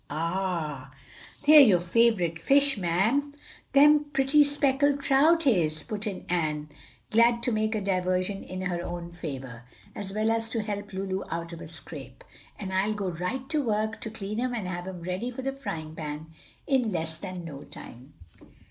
"And they're your favorite fish, ma'am, them pretty speckled trout is," put in Ann, glad to make a diversion in her own favor, as well as to help Lulu out of a scrape; "and I'll go right to work to clean 'em and have 'em ready for the frying pan in less than no time."